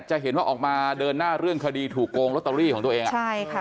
จะเห็นว่าออกมาเดินหน้าเรื่องคดีถูกโกงลอตเตอรี่ของตัวเองอ่ะใช่ค่ะ